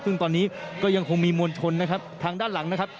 ซึ่งตอนนี้ก็ยังคงมีมวลชนนะครับทางด้านหลังนะครับ